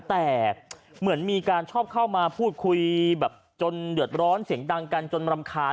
แต่เหมือนมีการชอบเข้ามาพูดคุยแบบจนเดือดร้อนเสียงดังกันจนรำคาญ